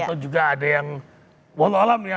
atau juga ada yang